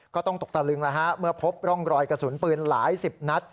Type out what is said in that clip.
ก็ต้องตกตะลึงแล้วฮะเมื่อพบร่องรอยกระสุนปืนหลายสิบนัด